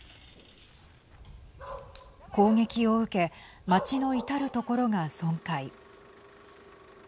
攻撃を受け、町の至る所が損壊。